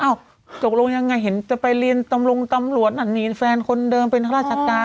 ตกลงยังไงเห็นจะไปเรียนตำรงตำรวจอันนี้แฟนคนเดิมเป็นข้าราชการ